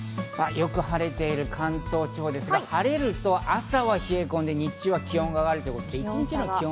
よく晴れている関東地方ですが、晴れると朝は冷え込んで、日中は気温が上がる。